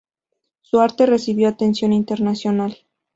Su arte recibió atención internacional.